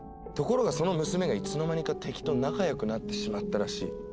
ところがその娘がいつの間にか敵と仲良くなってしまったらしい。